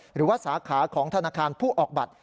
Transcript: หรือว่าสาขาของธนาคารผู้ออกบัตร